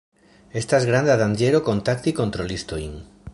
Estas granda danĝero kontakti kontrolistojn.